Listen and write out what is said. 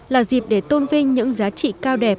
là dịp để tôn vinh những giá trị cao đẹp